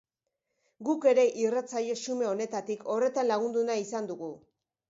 Guk ere irratsaio xume honetatik horretan lagundu nahi izan dugu.